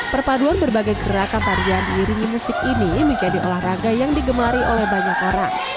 perpaduan berbagai gerakan tarian diiringi musik ini menjadi olahraga yang digemari oleh banyak orang